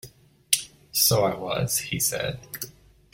‘So I was,’ he said.